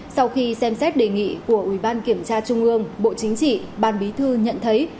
sau khi xem xét đề nghị của ủy ban kiểm tra trung ương bộ chính trị ban bí thư nhận thấy